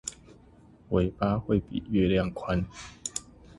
尾巴會比月亮寬